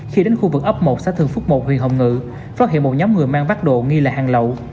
khi đến khu vực ấp một xã thường phúc một huyện hồng ngự phát hiện một nhóm người mang bắt đồ nghi là hàng lậu